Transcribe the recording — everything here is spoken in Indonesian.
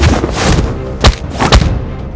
aku sudah dua kali mnie